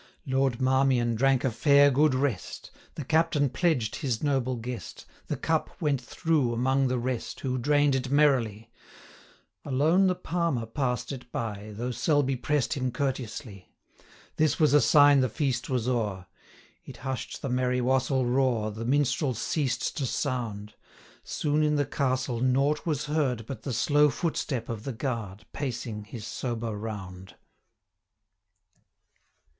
Lord Marmion drank a fair good rest, The Captain pledged his noble guest, 520 The cup went through among the rest, Who drain'd it merrily; Alone the Palmer pass'd it by, Though Selby press'd him courteously. This was a sign the feast was o'er; 525 It hush'd the merry wassel roar, The minstrels ceased to sound. Soon in the castle nought was heard, But the slow footstep of the guard, Pacing his sober round.